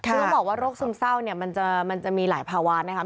คือต้องบอกว่าโรคซึมเศร้าเนี่ยมันจะมีหลายภาวะนะครับ